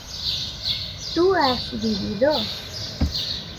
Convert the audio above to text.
¿tú has vivido?